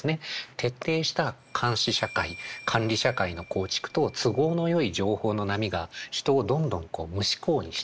徹底した監視社会管理社会の構築と都合のよい情報の波が人をどんどん無思考にしていく。